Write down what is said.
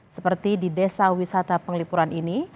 seperti di desa wisata penglipuran ini